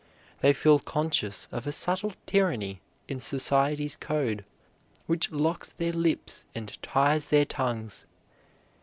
They feel conscious of a subtle tyranny in society's code, which locks their lips and ties their tongues.